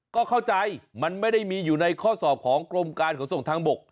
ก็เข้าใจมันไม่ได้มีอยู่ในข้อสอบของกรมการขนส่งทางบก